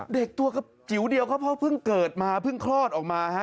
เด็กตัวจิ๋วเดียวก็เพราะเพิ่งเกิดมาเพิ่งคลอดออกมาฮะ